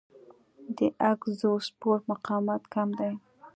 د اګزوسپور مقاومت کم دی.